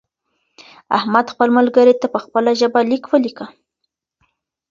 احمد خپل ملګري ته په خپله ژبه لیک ولیکه.